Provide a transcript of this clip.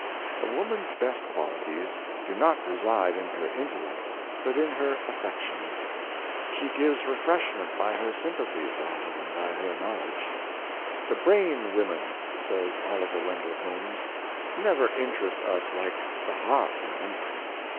A woman's best qualities do not reside in her intellect but in her affections. She gives refreshment by her sympathies, rather than by her knowledge, " The 568 " The Old Oaken Buckets brain women,'" says Oliver Wendell Holmes, " never interest us like the heart women.